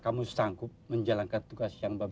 harus melepaskan radwad